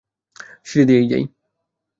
সিঁড়ি দিয়েই যাই।